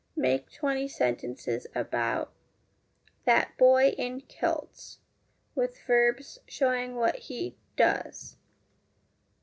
Make twenty sentences about That boy in kilts, with verbs showing what he does.